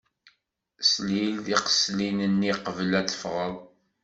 Slil tiqseltin-nni qbel ad teffɣeḍ.